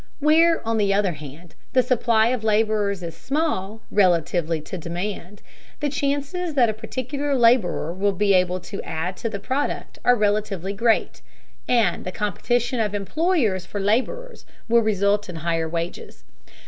Where, on the other hand, the supply of laborers is small, relatively to demand, the chances that a particular laborer will be able to add to the product are relatively great, and the competition of employers for laborers will result in higher wages.